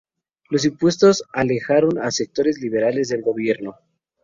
Los impuestos alejaron a sectores liberales del Gobierno.